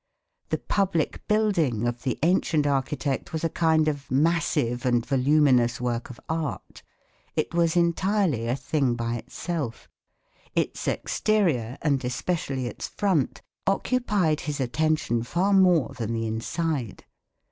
The public building of the ancient architect was a kind of massive and voluminous work of art. It was entirely a thing by itself. Its exterior, and especially its front, occupied his attention far more than the inside.